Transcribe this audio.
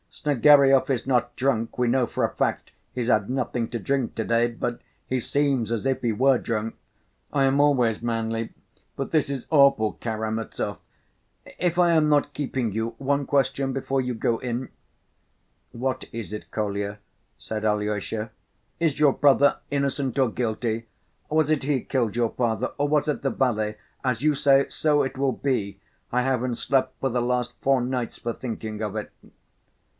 Snegiryov is not drunk, we know for a fact he's had nothing to drink to‐day, but he seems as if he were drunk ... I am always manly, but this is awful. Karamazov, if I am not keeping you, one question before you go in?" "What is it, Kolya?" said Alyosha. "Is your brother innocent or guilty? Was it he killed your father or was it the valet? As you say, so it will be. I haven't slept for the last four nights for thinking of it."